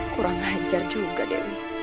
kurang hajar juga dewi